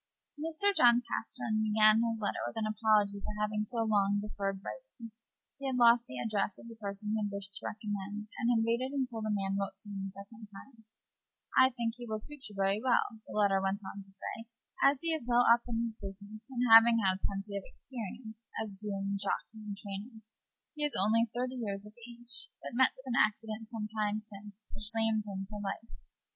Mr. John Pastern began his letter with an apology for having so long deferred writing. He had lost the address of the person he had wished to recommend, and had waited until the man wrote to him. "I think he will suit you very well," the letter went on to say, "as he is well up in his business, having had plenty of experience as groom, jockey, and trainer. He is only thirty years of age, but met with an accident some time since, which lamed him for life.